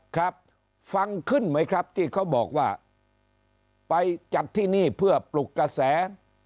ครับฟังขึ้นไหมครับที่เขาบอกว่าไปจัดที่นี่เพื่อปลุกกระแส